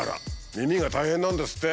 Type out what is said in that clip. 耳が大変なんですって。